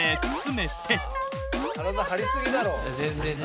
体張りすぎだろ。